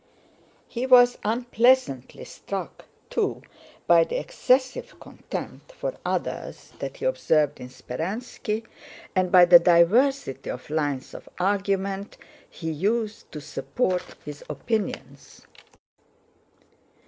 He was unpleasantly struck, too, by the excessive contempt for others that he observed in Speránski, and by the diversity of lines of argument he used to support his opinions.